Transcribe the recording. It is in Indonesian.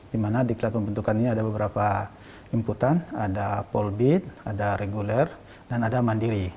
di mana di klat pembentukan ini ada beberapa inputan ada polbit ada reguler dan ada mandiri